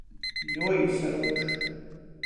Juoīsarūš.